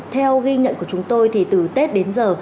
theo ghi nhận của chúng tôi thì từ tết đến giờ